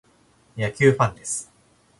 野球ファンです。